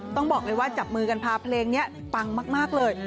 ต้องบอกเลยว่าจับมือกันพาเพลงนี้ปังมากเลย